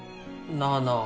なあなあ。